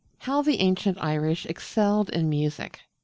HOW THE ANCIENT IRISH EXCELLED IN MUSIC.